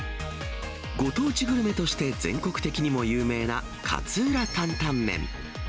ご当地グルメとして全国的にも有名な勝浦タンタンメン。